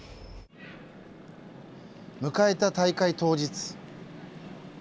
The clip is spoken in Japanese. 迎えた大会当日。